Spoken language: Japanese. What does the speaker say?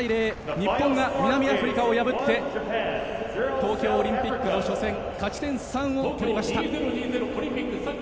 日本が南アフリカを破って東京オリンピックの初戦勝ち点３を取りました。